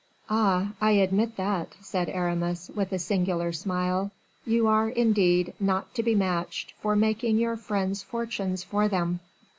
"Ah! I admit that," said Aramis, with a singular smile, "you are, indeed, not to be matched for making your friends' fortunes for them."